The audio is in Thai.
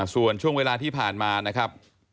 ส่วนช่วงเวลาที่ผ่านมานะครับ